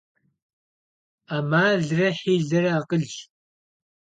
Ӏэмалрэ хьилэрэ акъылщ.